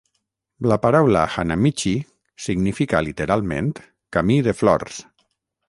La paraula "hanamichi" significa literalment "camí de flors".